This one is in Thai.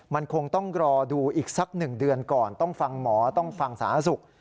มันคงต้องรอดูอีกสัก๑เดือนก่อนต้องฟังหมอต้องฟังสาธารณสุข